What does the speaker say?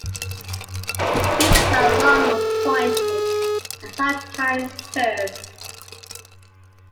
The beaks are long and pointed, and sometimes curved.